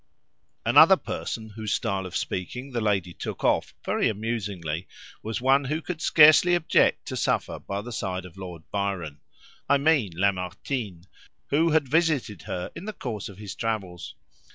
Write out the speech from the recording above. Another person whose style of speaking the lady took off very amusingly was one who would scarcely object to suffer by the side of Lord Byron—I mean Lamartine, who had visited her in the course of his travels.